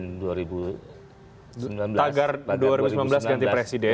tagar dua ribu sembilan belas ganti presiden